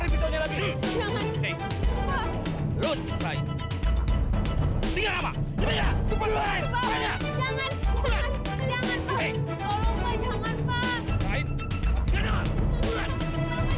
beng keluarin pisau pisau lagi